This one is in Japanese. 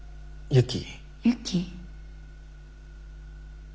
ユキ。